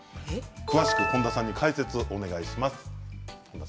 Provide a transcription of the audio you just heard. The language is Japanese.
詳しくは本多さん解説をお願いします。